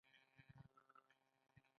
دا د ډیموکراسۍ اصل دی.